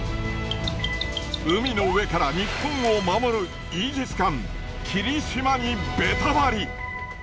海の上から日本を守るイージス艦きりしまにベタバリ。